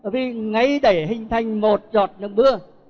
vì ngay để hình thành một chọt nước mưa